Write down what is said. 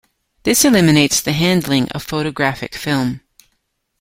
This eliminates the handling of photographic film.